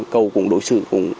cậu cũng đối xử